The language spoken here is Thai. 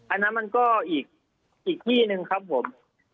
อันนั้นมันก็อีกที่หนึ่งครับผม